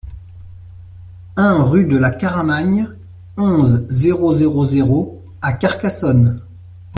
un rue de la Caramagne, onze, zéro zéro zéro à Carcassonne